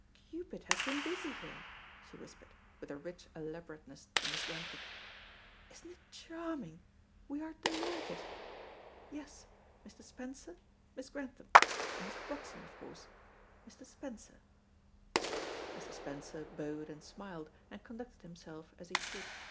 Cupid has been busy here," she whispered, with a rich elaborateness to Miss Grantham. "Isn't it charming? We are delighted. Yes, Mr. Spencer, Miss Grantham and Mr. Broxton, of course Mr. Spencer." Mr. Spencer bowed and smiled, and conducted himself as he should.